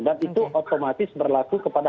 dan itu otomatis berlaku kepada